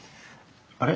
あれ？